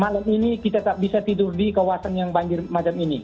malam ini kita tak bisa tidur di kawasan yang banjir macam ini